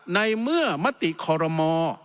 ในเมื่อมติคอรมอ